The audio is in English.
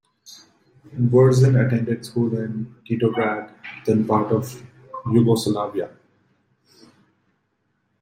Burzan attended school in Titograd, then part of Yugoslavia.